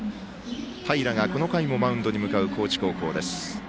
平が、この回もマウンドに向かう高知高校です。